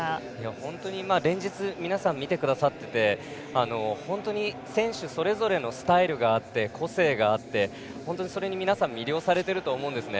本当に連日、皆さん見てくださっていて本当に、選手それぞれスタイルがあって個性があって本当にそれに皆さん魅了されていると思うんですね。